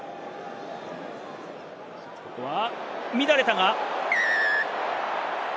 ここは乱れたが。